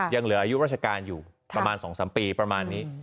ยังเหลืออายุราชการอยู่ประมาณ๒๓ปีประมาณนี้